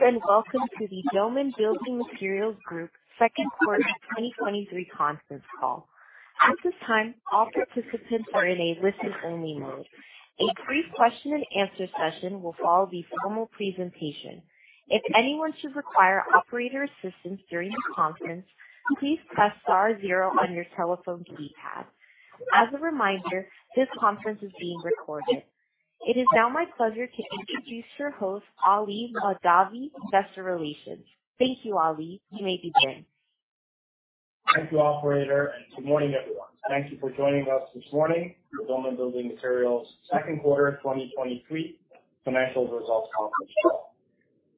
Greetings, welcome to the Doman Building Materials Group second quarter 2023 conference call. At this time, all participants are in a listen-only mode. A brief question and answer session will follow the formal presentation. If anyone should require operator assistance during the conference, please press star zero on your telephone keypad. As a reminder, this conference is being recorded. It is now my pleasure to introduce your host, Ali Mahdavi, Investor Relations. Thank you, Ali. You may begin. Thank you, operator, and good morning, everyone. Thank you for joining us this morning for Doman Building Materials' second quarter 2023 financial results conference call.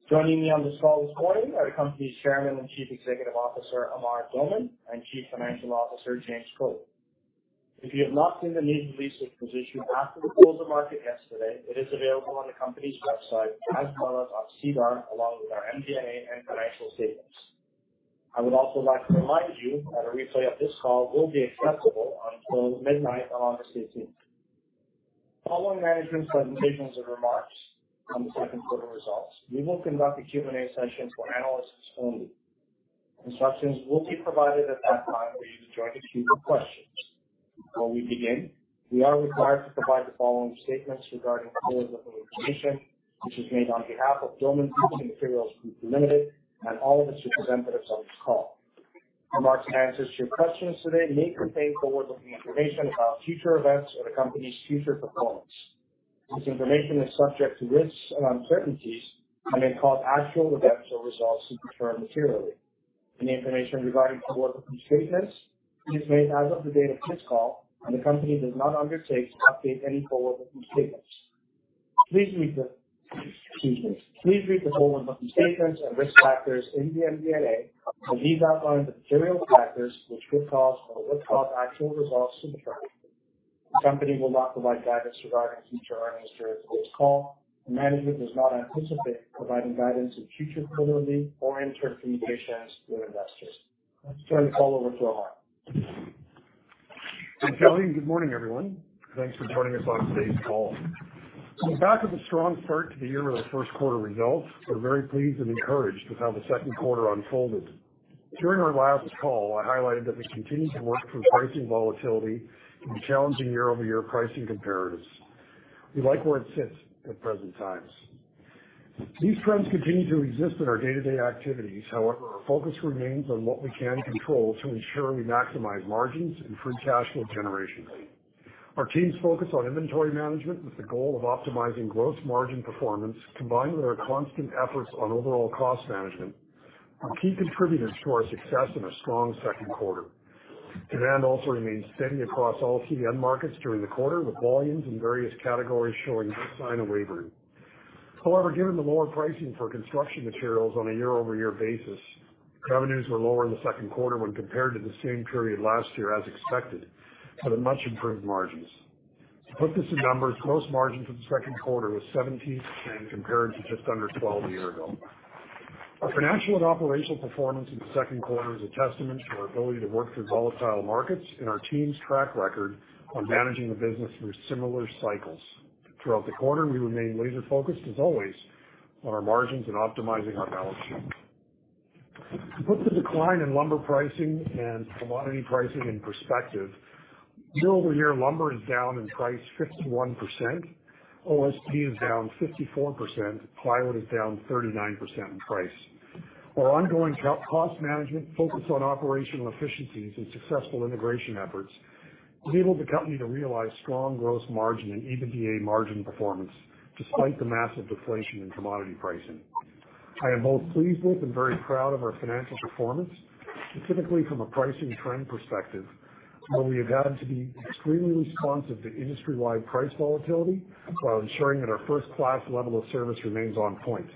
Joining me on this call this morning are the company's Chairman and Chief Executive Officer, Amar Doman, and Chief Financial Officer, James Code. If you have not seen the news release which was issued after the close of market yesterday, it is available on the company's website as well as on SEDAR, along with our MD&A and financial statements. I would also like to remind you that a replay of this call will be accessible until midnight on August 18th. Following management's presentations and remarks on the second quarter results, we will conduct a Q&A session for analysts only. Instructions will be provided at that time for you to join the queue for questions. Before we begin, we are required to provide the following statements regarding forward-looking information, which is made on behalf of Doman Building Materials Group Ltd. and all of its representatives on this call. Remarks and answers to your questions today may contain forward-looking information about future events or the company's future performance. This information is subject to risks and uncertainties and may cause actual events or results to differ materially. Any information regarding forward-looking statements is made as of the date of this call, and the company does not undertake to update any forward-looking statements. Please read excuse me. Please read the forward-looking statements and risk factors in the MD&A, as these outline the material factors which could cause or will cause actual results to differ. The company will not provide guidance regarding future earnings during today's call, and management does not anticipate providing guidance in future quarterly or interim communications with investors. I'll turn the call over to Amar. Thank you, Ali. Good morning, everyone. Thanks for joining us on today's call. Coming back with a strong start to the year with our first quarter results, we're very pleased and encouraged with how the second quarter unfolded. During our last call, I highlighted that we continue to work through pricing volatility and challenging year-over-year pricing comparatives. We like where it sits at present times. These trends continue to exist in our day-to-day activities. However, our focus remains on what we can control to ensure we maximize margins and free cash flow generation. Our team's focus on inventory management, with the goal of optimizing gross margin performance, combined with our constant efforts on overall cost management, were key contributors to our success in a strong second quarter. Demand also remains steady across all CDN markets during the quarter, with volumes in various categories showing no sign of wavering. However, given the lower pricing for construction materials on a year-over-year basis, revenues were lower in the second quarter when compared to the same period last year, as expected, but at much improved margins. To put this in numbers, gross margin for the second quarter was 17% compared to just under 12 a year ago. Our financial and operational performance in the second quarter is a testament to our ability to work through volatile markets and our team's track record on managing the business through similar cycles. Throughout the quarter, we remained laser focused, as always, on our margins and optimizing our balance sheet. To put the decline in lumber pricing and commodity pricing in perspective, year-over-year, lumber is down in price 51%, OSB is down 54%, plywood is down 39% in price. Our ongoing cost management focus on operational efficiencies and successful integration efforts enabled the company to realize strong gross margin and EBITDA margin performance, despite the massive deflation in commodity pricing. I am both pleased with and very proud of our financial performance, specifically from a pricing trend perspective, where we have had to be extremely responsive to industry-wide price volatility while ensuring that our first-class level of service remains on point.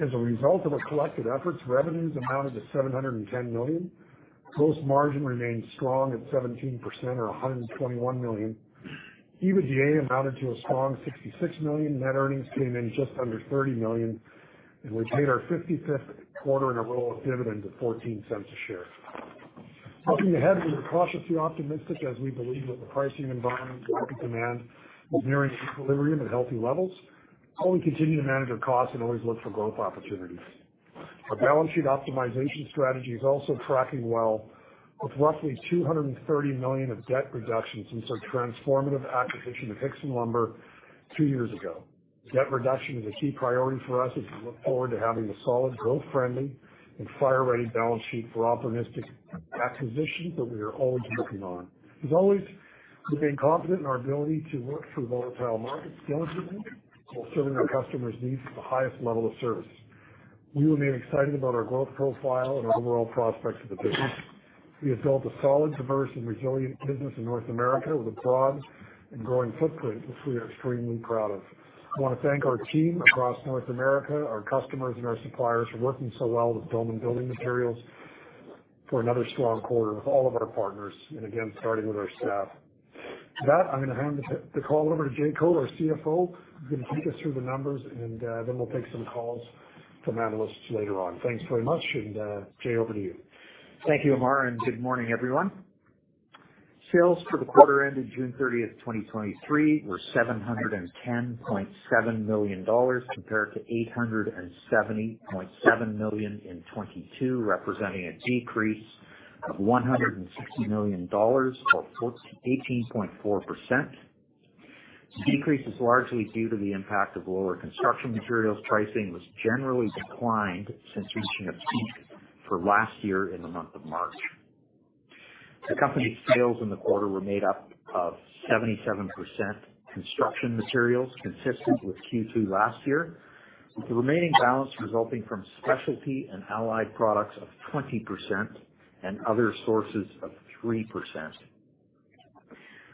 As a result of our collective efforts, revenues amounted to CDN 710 million. Gross margin remained strong at 17%, or CDN 121 million. EBITDA amounted to a strong CDN 66 million. Net earnings came in just under CDN 30 million, and we paid our 55th quarter in a row of dividends of CDN 0.14 a share. Looking ahead, we are cautiously optimistic as we believe that the pricing environment and market demand is nearing equilibrium at healthy levels, while we continue to manage our costs and always look for growth opportunities. Our balance sheet optimization strategy is also tracking well, with roughly CDN 230 million of debt reduction since our transformative acquisition of Hixson Lumber two years ago. Debt reduction is a key priority for us as we look forward to having a solid, growth-friendly, and fire-ready balance sheet for opportunistic acquisitions that we are always working on. As always, we remain confident in our ability to work through volatile markets diligently while serving our customers' needs with the highest level of service. We remain excited about our growth profile and our overall prospects for the business. We have built a solid, diverse, and resilient business in North America with a broad and growing footprint, which we are extremely proud of. I wanna thank our team across North America, our customers, and our suppliers for working so well with Doman Building Materials for another strong quarter with all of our partners, and again, starting with our staff. With that, I'm gonna hand the, the call over to Jay Code, our CFO, who's going to take us through the numbers, and then we'll take some calls from analysts later on. Thanks very much, and Jay, over to you. Thank you, Amar, and good morning, everyone. Sales for the quarter ended June 30, 2023, were $710.7 million, compared to $870.7 million in 2022, representing a decrease of $160 million, or 18.4%. The decrease is largely due to the impact of lower construction materials pricing, which generally declined since reaching a peak for last year in the month of March. The company's sales in the quarter were made up of 77% construction materials, consistent with Q2 last year. The remaining balance resulting from specialty and allied products of 20% and other sources of 3%.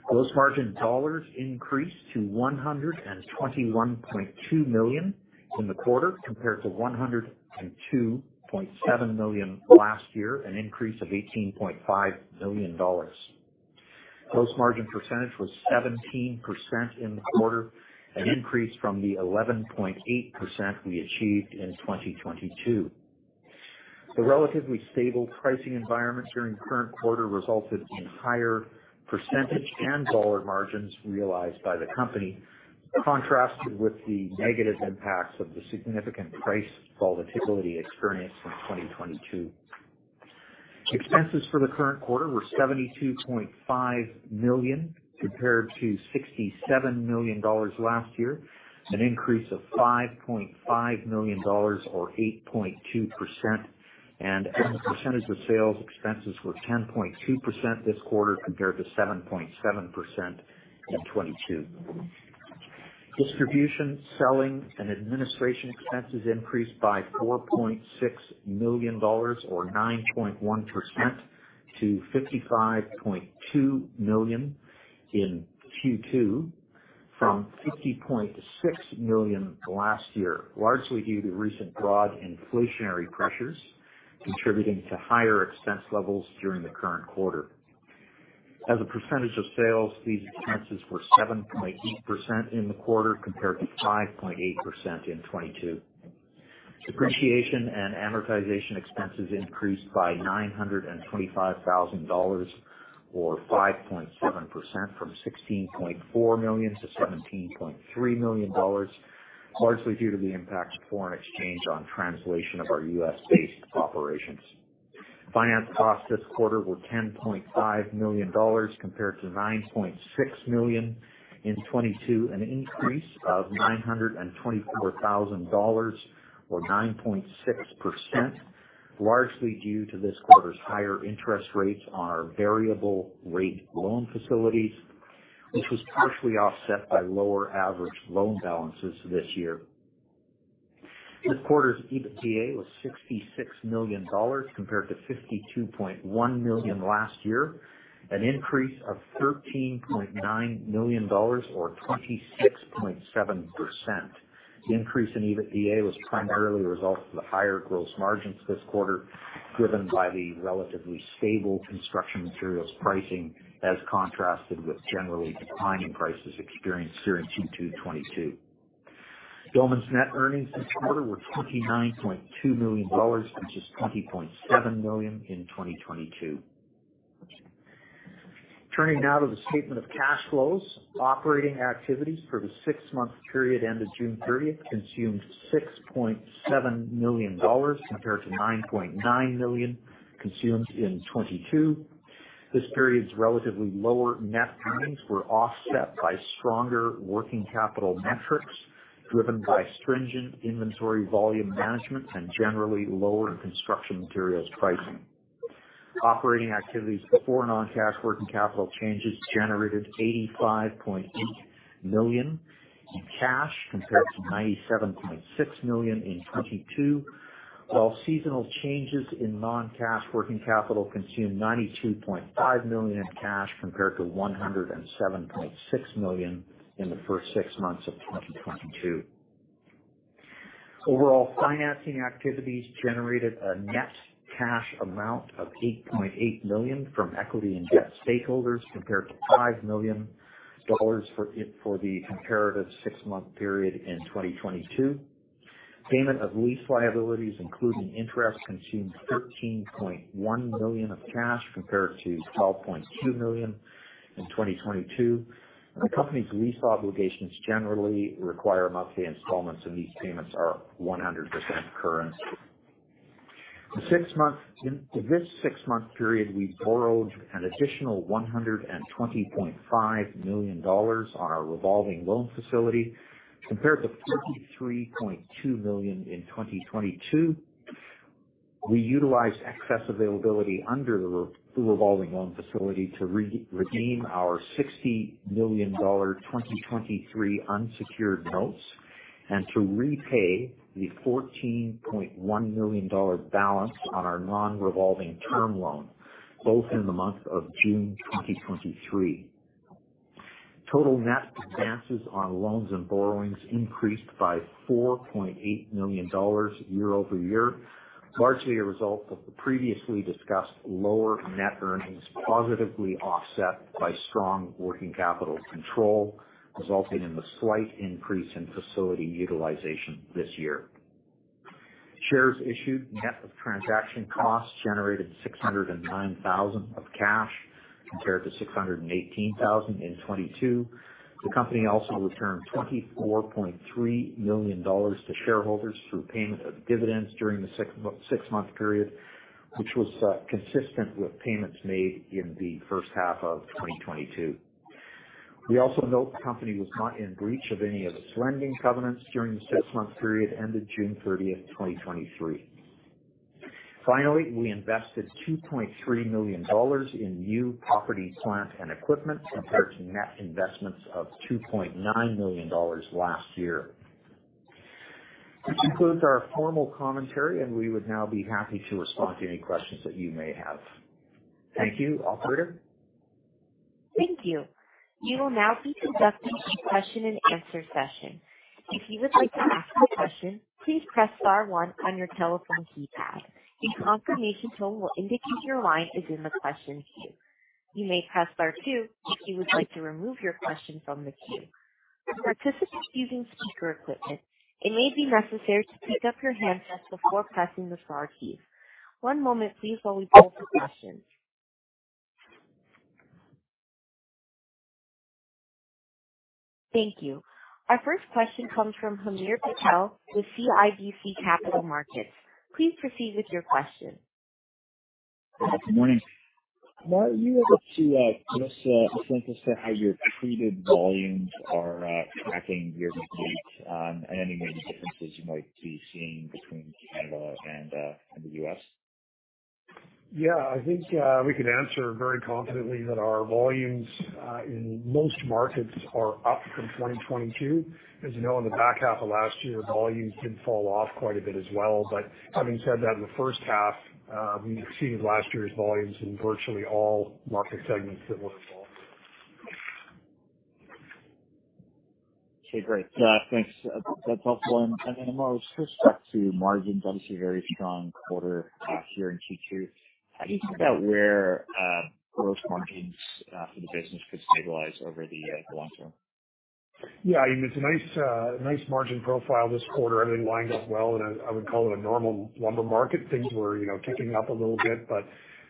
Gross margin dollars increased to $121.2 million in the quarter, compared to $102.7 million last year, an increase of $18.5 million. Gross margin percentage was 17% in the quarter, an increase from the 11.8% we achieved in 2022. The relatively stable pricing environment during the current quarter resulted in higher percentage and dollar margins realized by the company, contrasted with the negative impacts of the significant price volatility experienced in 2022. Expenses for the current quarter were CDN 72.5 million, compared to CDN 67 million last year, an increase of CDN 5.5 million or 8.2%. As a percentage of sales, expenses were 10.2% this quarter, compared to 7.7% in 2022. Distribution, selling, and administration expenses increased by $4.6 million, or 9.1% to $55.2 million in Q2 from $50.6 million last year, largely due to recent broad inflationary pressures contributing to higher expense levels during the current quarter. As a percentage of sales, these expenses were 7.8% in the quarter, compared to 5.8% in 2022. Depreciation and amortization expenses increased by $925,000, or 5.7% from $16.4 million to $17.3 million, largely due to the impact of foreign exchange on translation of our U.S.-based operations. Finance costs this quarter were $10.5 million, compared to $9.6 million in 2022, an increase of $924,000 or 9.6%, largely due to this quarter's higher interest rates on our variable rate loan facilities, which was partially offset by lower average loan balances this year. This quarter's EBITDA was $66 million, compared to $52.1 million last year, an increase of $13.9 million or 26.7%. The increase in EBITDA was primarily a result of the higher gross margins this quarter, driven by the relatively stable construction materials pricing, as contrasted with generally declining prices experienced during Q2 2022. Doman's net earnings this quarter were $29.2 million, versus $20.7 million in 2022. Turning now to the statement of cash flows. Operating activities for the six-month period ended June 30th, consumed CDN 6.7 million, compared to CDN 9.9 million consumed in 2022. This period's relatively lower net earnings were offset by stronger working capital metrics, driven by stringent inventory volume management and generally lower construction materials pricing. Operating activities before non-cash working capital changes generated CDN 85.8 million in cash, compared to CDN 97.6 million in 2022. While seasonal changes in non-cash working capital consumed CDN 92.5 million in cash, compared to CDN 107.6 million in the first six months of 2022. Overall, financing activities generated a net cash amount of CDN 8.8 million from equity and debt stakeholders, compared to CDN 5 million for the comparative six-month period in 2022. Payment of lease liabilities, including interest, consumed $13.1 million of cash, compared to $12.2 million in 2022. The company's lease obligations generally require monthly installments, and these payments are 100% current. In this six-month period, we borrowed an additional $120.5 million on our revolving loan facility, compared to $43.2 million in 2022. We utilized excess availability under the revolving loan facility to redeem our $60 million 2023 unsecured notes and to repay the $14.1 million balance on our non-revolving term loan, both in the month of June 2023. Total net advances on loans and borrowings increased by CDN 4.8 million year-over-year, largely a result of the previously discussed lower net earnings, positively offset by strong working capital control, resulting in the slight increase in facility utilization this year. Shares issued net of transaction costs generated CDN 609,000 of cash, compared to CDN 618,000 in 2022. The company also returned CDN 24.3 million to shareholders through payment of dividends during the six-month period, which was consistent with payments made in the first half of 2022. We also note the company was not in breach of any of its lending covenants during the six-month period ended June 30, 2023. Finally, we invested CDN 2.3 million in new property, plant, and equipment, compared to net investments of CDN 2.9 million last year. This concludes our formal commentary. We would now be happy to respond to any questions that you may have. Thank you. Operator? Thank you. We will now be conducting a question-and-answer session. If you would like to ask a question, please press star one on your telephone keypad. A confirmation tone will indicate your line is in the question queue. You may press star two if you would like to remove your question from the queue. For participants using speaker equipment, it may be necessary to pick up your handset before pressing the star keys. One moment, please, while we pull for questions. Thank you. Our first question comes from Hamir Patel with CIBC Capital Markets. Please proceed with your question. Good morning. Amar, are you able to give us a sense as to how your treated volumes are tracking year to date, and any major differences you might be seeing between Canada and the U.S.? Yeah, I think, we can answer very confidently that our volumes, in most markets are up from 2022. As you know, in the back half of last year, volumes did fall off quite a bit as well. Having said that, in the first half, we exceeded last year's volumes in virtually all market segments that we're involved in. Okay, great. Thanks. That's helpful. And then, Amar, just back to margins, obviously very strong quarter, here in Q2. How do you think about where gross margins for the business could stabilize over the long term? Yeah, I mean, it's a nice, nice margin profile this quarter. Everything lined up well. I, I would call it a normal lumber market. Things were, you know, ticking up a little bit, but,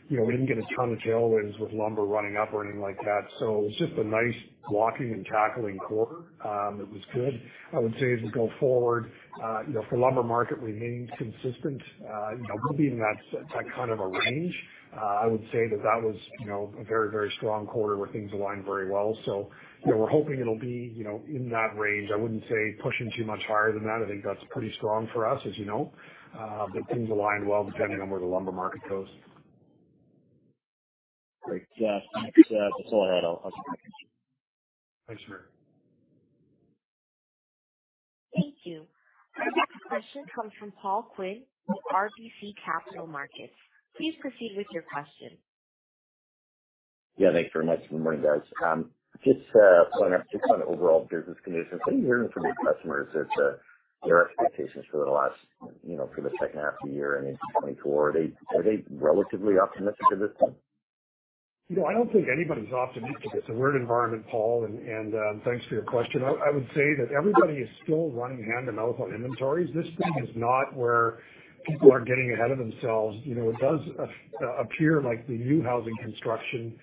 you know, we didn't get a ton of tailwinds with lumber running up or anything like that, so it was just a nice blocking and tackling quarter. It was good. I would say as we go forward, you know, if the lumber market remains consistent, you know, we'll be in that, that kind of a range. I would say that that was, you know, a very, very strong quarter where things aligned very well. You know, we're hoping it'll be, you know, in that range. I wouldn't say pushing too much higher than that. I think that's pretty strong for us, as you know. Things aligned well, depending on where the lumber market goes. Great. Thanks, for that. I'll pass it back. Thanks, Hamir. Thank you. Our next question comes from Paul Quinn with RBC Capital Markets. Please proceed with your question. Yeah, thanks very much. Good morning, guys. Just, following up, just on overall business conditions, what are you hearing from your customers as to their expectations for the last, you know, for the second half of the year and into 2024? Are they, are they relatively optimistic at this point? You know, I don't think anybody's optimistic in this weird environment, Paul, thanks for your question. I would say that everybody is still running hand to mouth on inventories. This thing is not where people are getting ahead of themselves. You know, it does appear like the new housing construction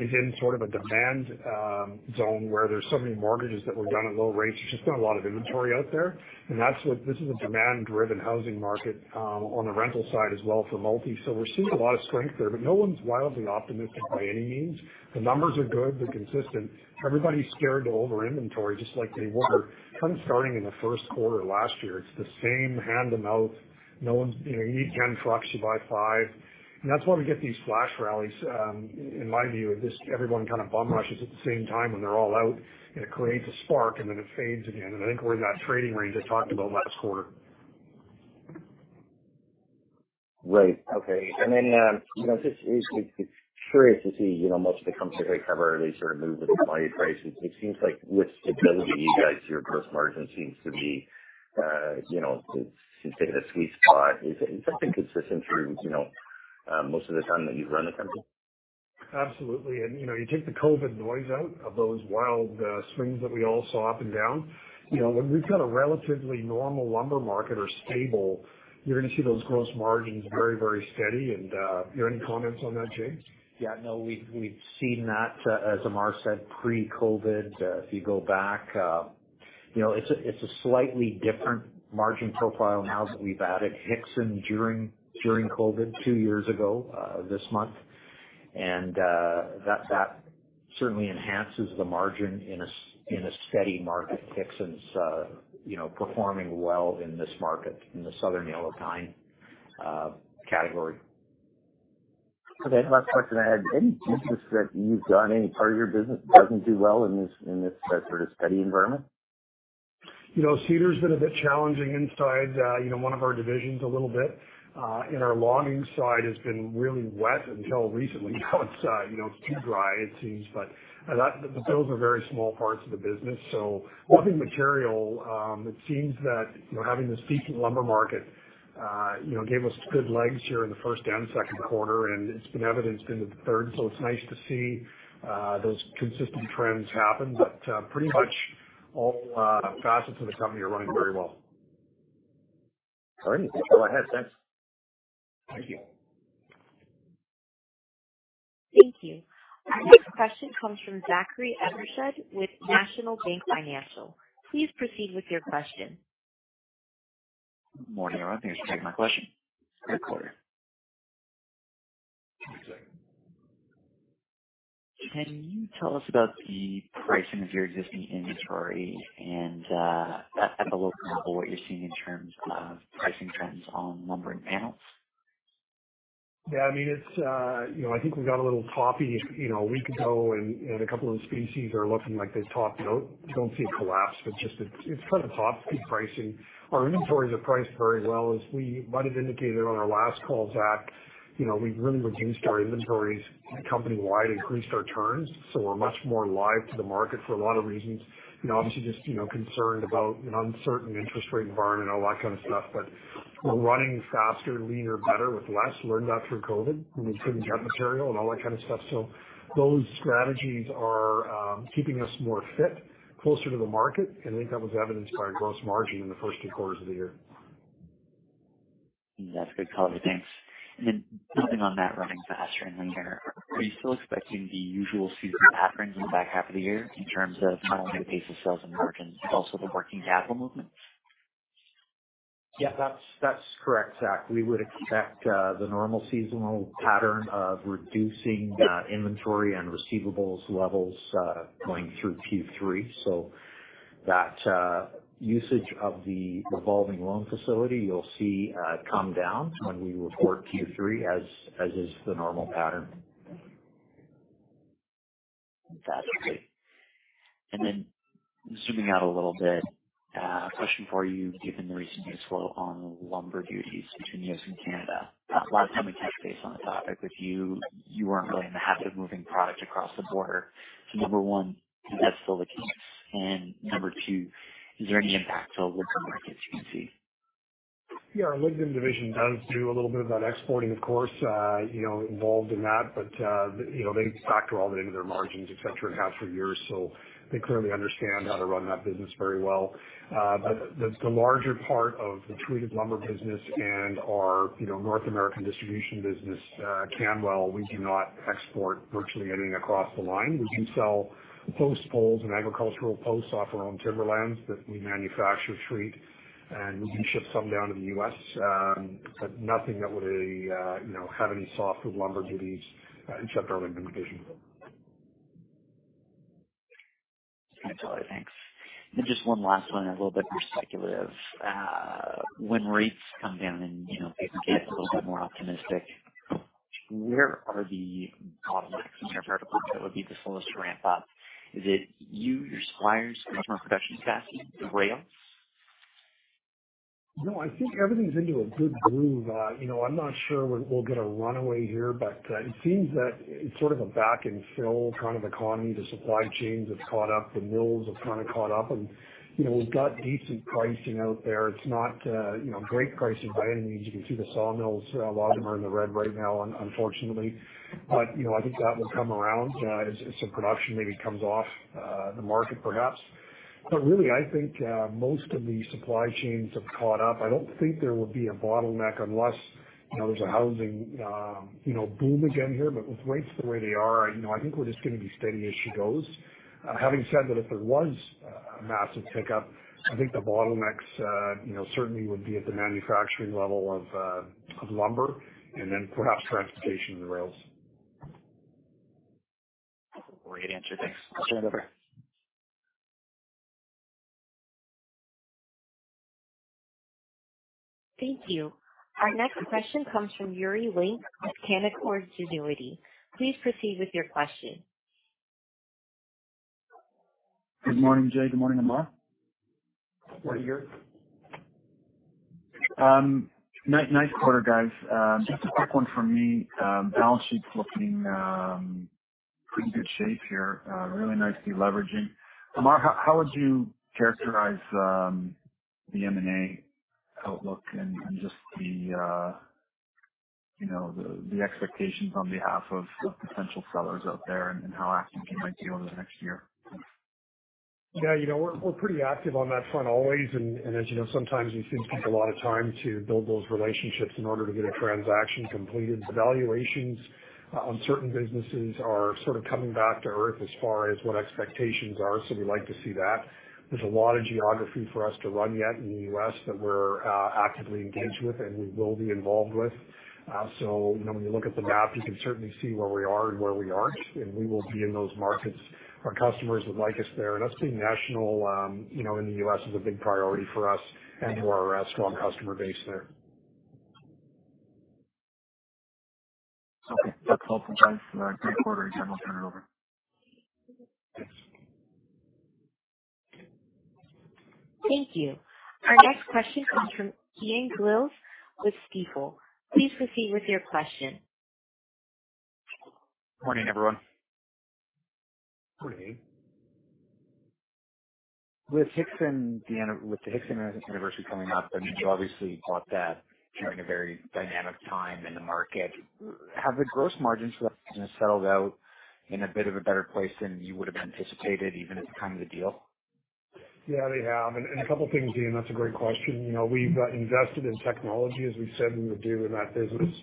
is in sort of a demand zone, where there's so many mortgages that were done at low rates. There's just been a lot of inventory out there. This is a demand-driven housing market on the rental side as well for multi. We're seeing a lot of strength there, but no one's wildly optimistic by any means. The numbers are good. They're consistent. Everybody's scared to over-inventory, just like they were kind of starting in the first quarter last year. It's the same hand-to-mouth. No one's. You know, you need 10 trucks, you buy five. That's why we get these flash rallies. In my view, it just, everyone kind of bum rushes at the same time when they're all out, and it creates a spark, and then it fades again. I think we're in that trading range I talked about last quarter. Right. Okay. You know, just it's, it's curious to see, you know, most of the companies I cover, they sort of move with the commodity prices. It seems like with the business of you guys, your gross margin seems to be, you know, it's in a sweet spot. Is it something consistent through, you know, most of the time that you've run the company? Absolutely. You know, you take the COVID noise out of those wild swings that we all saw up and down. You know, when we've got a relatively normal lumber market or stable, you're gonna see those gross margins very, very steady. Your any comments on that, James? Yeah, no, we've, we've seen that, as Amar said, pre-COVID. If you go back, you know, it's a, it's a slightly different margin profile now that we've added Hixson during, during COVID, two years ago, this month. That, that certainly enhances the margin in a steady market. Hixson's, you know, performing well in this market, in the Southern Yellow Pine category. Okay, last question I had: Any businesses that you've got, any part of your business doesn't do well in this, in this, sort of steady environment? You know, cedar's been a bit challenging inside, you know, one of our divisions a little bit. Our logging side has been really wet until recently. Now it's, you know, it's too dry, it seems, but that those are very small parts of the business. Logging material, it seems that, you know, having this peaking lumber market, you know, gave us good legs here in the first and second quarter, and it's been evidenced into the third. It's nice to see those consistent trends happen, but pretty much all facets of the company are running very well. Great. Well, go ahead. Thanks. Thank you. Thank you. Our next question comes from Zachary Evershed with National Bank Financial. Please proceed with your question. Morning, everyone. Thanks for taking my question. Good quarter. Can you tell us about the pricing of your existing inventory and, at the local level, what you're seeing in terms of pricing trends on lumber and panels? Yeah, I mean, it's, you know, I think we got a little toppy, you know, a week ago, and, and a couple of species are looking like they topped out. You don't see a collapse, but just it's, it's kind of poppy pricing. Our inventories are priced very well. As we might have indicated on our last call, Zach, you know, we've really reduced our inventories company-wide, increased our turns. We're much more live to the market for a lot of reasons. You know, obviously just, you know, concerned about an uncertain interest rate environment and all that kind of stuff. We're running faster, leaner, better with less. Learned that through COVID, and we've seen that material and all that kind of stuff. Those strategies are keeping us more fit, closer to the market, and I think that was evidenced by our gross margin in the first two quarters of the year. That's a good call. Thanks. Then building on that, running faster and leaner, are you still expecting the usual seasonal patterns in the back half of the year in terms of not only the pace of sales and margins, but also the working capital movement? Yeah, that's, that's correct, Zach. We would expect the normal seasonal pattern of reducing inventory and receivables levels going through Q3. That usage of the revolving loan facility, you'll see come down when we report Q3, as, as is the normal pattern. Fantastic. Then zooming out a little bit, a question for you, given the recent news flow on lumber duties between the U.S. and Canada. Last time we touched base on the topic with you, you weren't really in the habit of moving product across the border. Number one, is that still the case? Number two, is there any impact to the lumber markets you can see? Yeah, our lumber division does do a little bit of that exporting, of course, you know, involved in that. You know, they factor all that into their margins, et cetera, have for years. They clearly understand how to run that business very well. The, the larger part of the treated lumber business and our, you know, North American distribution business, CanWel, we do not export virtually anything across the line. We do sell post holes and agricultural posts off our own timberlands that we manufacture, treat, and we do ship some down to the U.S., but nothing that would really, you know, have any sauce with lumber duties except our lumber division. Gotcha. Thanks. Then just one last one, a little bit more speculative. When rates come down and, you know, people get a little bit more optimistic, where are the bottlenecks in your product that would be the slowest to ramp up? Is it you, your suppliers, customer production capacity, the rails? No, I think everything's into a good groove. You know, I'm not sure we'll get a runaway here, but, it seems that it's sort of a back-and-fill kind of economy. The supply chains have caught up, the mills have kind of caught up, and, you know, we've got decent pricing out there. It's not, you know, great pricing by any means. You can see the sawmills, a lot of them are in the red right now, unfortunately. You know, I think that will come around, as some production maybe comes off the market perhaps. Really, I think, most of the supply chains have caught up. I don't think there will be a bottleneck unless, you know, there's a housing, you know, boom again here. With rates the way they are, you know, I think we're just going to be steady as she goes. Having said that, if there was a massive pickup, I think the bottlenecks, you know, certainly would be at the manufacturing level of lumber and then perhaps transportation and the rails. Great answer. Thanks. I'll turn it over. Thank you. Our next question comes from Yuri Lynk at Canaccord Genuity. Please proceed with your question. Good morning, Jay. Good morning, Amar. Morning, Yuri. Nice quarter, guys. Just a quick one from me. Balance sheet's looking pretty good shape here. Really nice deleveraging. Amar, how, how would you characterize the M&A outlook and, and just the, you know, the, the expectations on behalf of the potential sellers out there and, and how active you might be over the next year? Yeah, you know, we're, we're pretty active on that front always. As you know, sometimes we seem to take a lot of time to build those relationships in order to get a transaction completed. The valuations on certain businesses are sort of coming back to earth as far as what expectations are. We like to see that. There's a lot of geography for us to run yet in the U.S. that we're actively engaged with and we will be involved with. You know, when you look at the map, you can certainly see where we are and where we aren't, and we will be in those markets. Our customers would like us there. I'd say national, you know, in the U.S. is a big priority for us and to our strong customer base there. Okay. That's all from us. Great quarter. I'll turn it over. Thank you. Our next question comes from Ian Gillies with Stifel. Please proceed with your question. Morning, everyone. Morning. With Hixson, with the Hixson anniversary coming up, and you obviously bought that during a very dynamic time in the market. Have the gross margins for that business settled out in a bit of a better place than you would have anticipated, even at the time of the deal? Yeah, they have. A couple things, Ian, that's a great question. You know, we've invested in technology, as we said we would do in that business.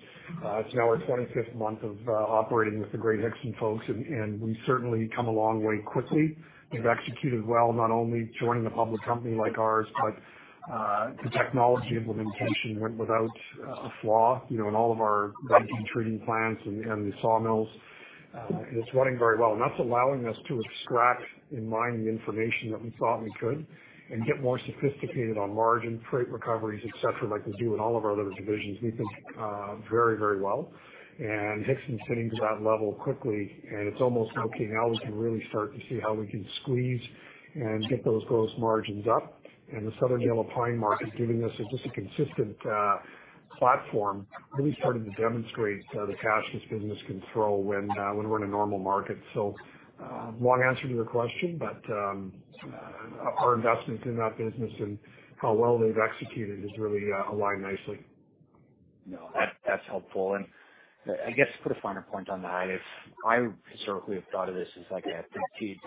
It's now our 25th month of operating with the great Hixson folks, and we've certainly come a long way quickly. They've executed well, not only joining a public company like ours, but the technology implementation went without a flaw, you know, in all of our drying and treated plants and the sawmills. It's running very well. That's allowing us to extract and mine the information that we thought we could and get more sophisticated on margin, freight recoveries, et cetera, like we do in all of our other divisions, we think, very, very well. Hixson's hitting to that level quickly, and it's almost like, okay, now we can really start to see how we can squeeze and get those gross margins up. The Southern Yellow Pine market is giving us a, just a consistent platform, really starting to demonstrate the cash this business can throw when we're in a normal market. Long answer to your question, but our investment in that business and how well they've executed has really aligned nicely. No, that's, that's helpful. I guess to put a finer point on that, if I historically have thought of this as like a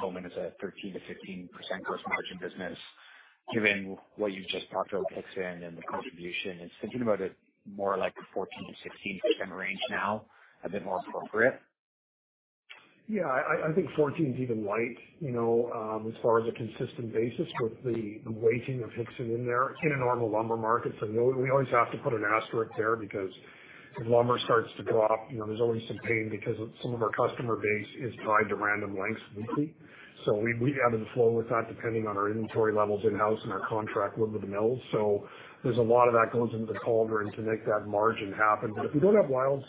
Doman is a 13%-15% gross margin business. Given what you've just talked about Hixson and the contribution and thinking about it more like a 14%-16% range now, a bit more appropriate? Yeah, I, I think 14 is even light, you know, as far as a consistent basis with the, the weighting of Hixson in there in a normal lumber market. We, we always have to put an asterisk there, because if lumber starts to go up, you know, there's always some pain because of some of our customer base is tied to Random Lengths weekly. We, we ebb and flow with that, depending on our inventory levels in-house and our contract wood with the mills. There's a lot of that goes into the cauldron to make that margin happen. If we don't have wild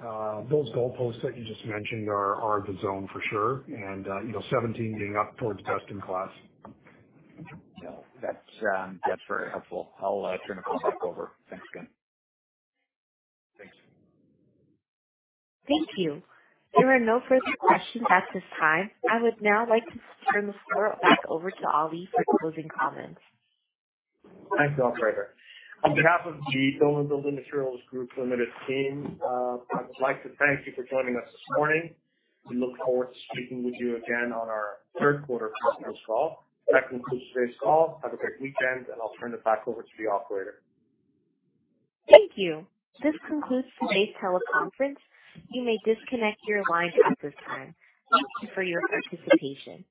swings, those goalposts that you just mentioned are, are the zone for sure. You know, 17 getting up towards best in class. Yeah. That's, that's very helpful. I'll turn the call back over. Thanks again. Thanks. Thank you. There are no further questions at this time. I would now like to turn this call back over to Ali for closing comments. Thanks, operator. On behalf of the Doman Building Materials Group Limited team, I would like to thank you for joining us this morning. We look forward to speaking with you again on our third quarter conference call. That concludes today's call. Have a great weekend, I'll turn it back over to the operator. Thank you. This concludes today's teleconference. You may disconnect your lines at this time. Thank you for your participation.